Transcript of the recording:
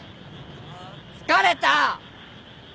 ん疲れた！